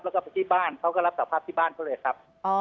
แล้วก็ไปที่บ้านเขาก็รับสภาพที่บ้านเขาเลยครับ